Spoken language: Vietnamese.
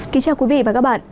kính chào quý vị và các bạn